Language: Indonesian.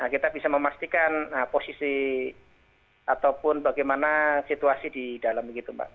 kita bisa memastikan posisi ataupun bagaimana situasi di dalam